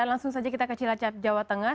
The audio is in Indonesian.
dan langsung saja kita ke cilacap jawa tengah